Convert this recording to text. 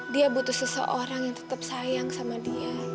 dia butuh seseorang yang tetap sayang sama dia